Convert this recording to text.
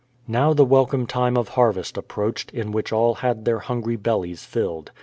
Now the welcome time of harvest approached, in which all had their hungry bellies filled.